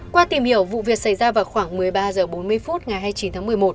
qua tìm hiểu vụ việc xảy ra vào khoảng một mươi ba h bốn mươi phút ngày hai mươi chín tháng một mươi một